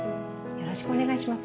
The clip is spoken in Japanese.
よろしくお願いします